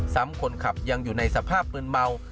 คนขับยังอยู่ในสภาพมืนเมา